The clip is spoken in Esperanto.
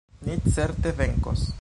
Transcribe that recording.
Ni certe venkos!